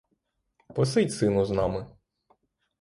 Посидь, сину, з нами!